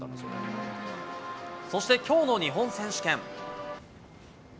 そして今日の日本選手権。